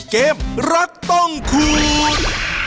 เกมรักต้องคูณ